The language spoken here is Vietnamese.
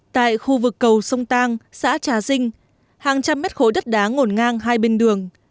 tại khu vực cầu sông tang xã trà dinh hàng trăm mét khối đất đá ngổn ngang hai bên đường